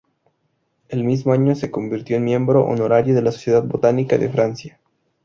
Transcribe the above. El mismo año se convirtió en miembro honorario de la Sociedad Botánica de Francia.